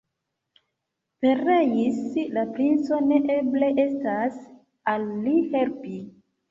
Pereis la princo, ne eble estas al li helpi.